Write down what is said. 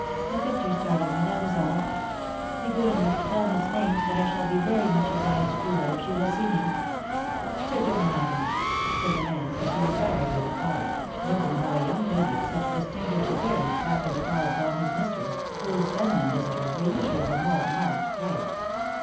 A picture startled me — that was all. Be good enough to tell Miss Mayne that I shall be very much obliged to her if she will see me.^^ " Certainly, madam !" said the man, as he retired with the card, wondering how a young lady of such distinguished appearance happened to call upon his mistress, whose feminine visitors were usually of a more marked type.